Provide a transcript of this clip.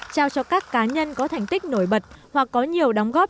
trao cho các cá nhân có thành tích nổi bật hoặc có nhiều đóng góp